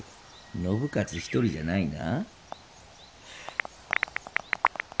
信雄一人じゃないな。